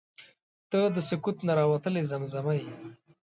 • ته د سکوت نه راوتلې زمزمه یې.